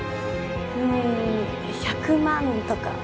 うん１００万とか。